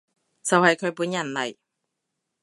就係佢本人嚟